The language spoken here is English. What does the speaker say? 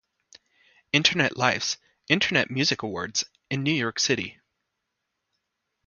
Internet Life's "Internet Music Awards" in New York City.